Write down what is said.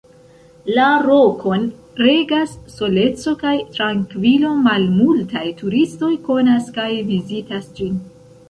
La rokon regas soleco kaj trankvilo; malmultaj turistoj konas kaj vizitas ĝin.